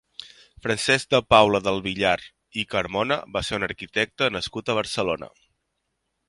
Francesc de Paula del Villar i Carmona va ser un arquitecte nascut a Barcelona.